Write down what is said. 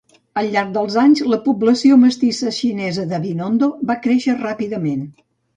Al llarg dels anys, la població mestissa xinesa de Binondo va créixer ràpidament.